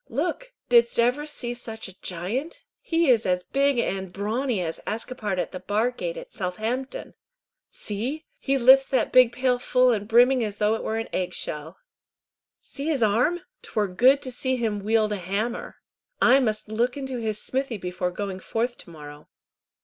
Look! Didst ever see such a giant? He is as big and brawny as Ascapart at the bar gate at Southampton. See! he lifts that big pail full and brimming as though it were an egg shell. See his arm! 'Twere good to see him wield a hammer! I must look into his smithy before going forth to morrow."